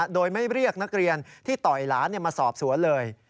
โดยไม่เรียกนักเรียนที่ต่อยหลานมาสอบสวนเลย